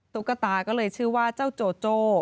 ตุ๊กตาก็เลยชื่อว่าเจ้าโจโจ้